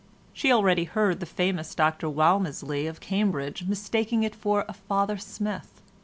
She already heard the famous Dr Walmisley of Cambridge mistaking it for a Father Smith.